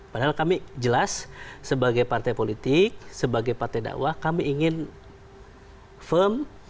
padahal kami jelas sebagai partai politik sebagai partai dakwah kami ingin firm